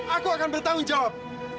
aku akan bertanggung jawab